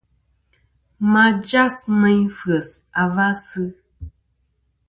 Ma jas meyn f̀yes a va sɨ.